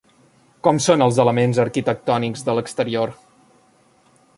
Com són els elements arquitectònics de l'exterior?